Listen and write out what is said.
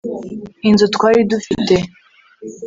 inzu twari dufite